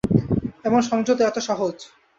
এমন সংযত এত সহজ।